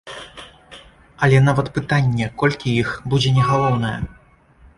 Але нават пытанне, колькі іх, будзе не галоўнае.